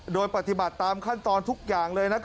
โดยปฏิบัติตามขั้นตอนทุกอย่างเลย